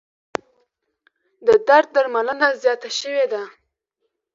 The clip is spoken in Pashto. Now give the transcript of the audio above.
د درد درملنه زیاته شوې ده.